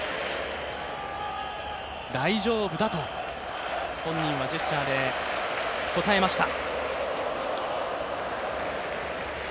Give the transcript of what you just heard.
大丈夫だと本人はジェスチャーでこたえました。